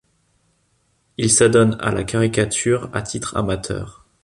Il s'adonne à la caricature à titre amateur.